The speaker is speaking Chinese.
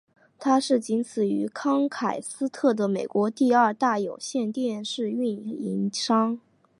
它是仅此于康卡斯特的美国第二大有线电视运营商。